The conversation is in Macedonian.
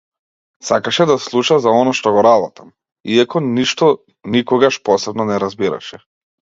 Сакаше да слуша за она што го работам, иако ништо никогаш посебно не разбираше.